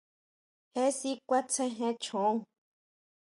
Je tsí kʼua, tsejen chon.